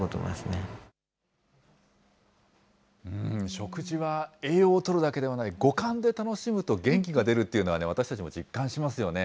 食事は栄養をとるだけではない、五感で楽しむと元気が出るというのはね、私たちも実感しますよね。